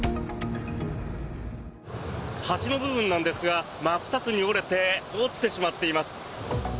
橋の部分なんですが真っ二つに折れて落ちてしまっています。